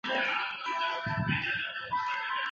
治大国如烹小鲜。